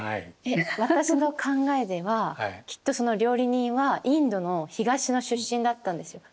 えっ私の考えではきっとその料理人はインドの東の出身だったんですよ。